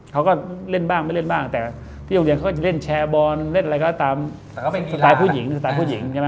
เขาก็เล่นบ้างไม่เล่นบ้างแต่ที่โรงเรียนเขาจะเล่นแชร์บอลเล่นอะไรครับตามสไตล์ผู้หญิง